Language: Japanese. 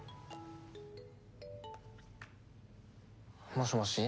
もしもし？